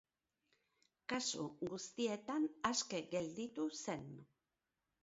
Kasu guztietan aske gelditu zen.